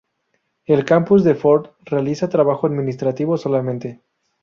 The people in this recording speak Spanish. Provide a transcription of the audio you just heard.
El campus de Fort realiza trabajo administrativo solamente.